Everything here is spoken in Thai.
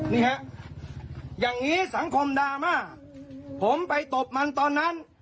นี่ฮะอย่างนี้สังคมดราม่าผมไปตบมันตอนนั้น